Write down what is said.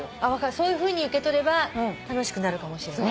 そういうふうに受け取れば楽しくなるかもしれない。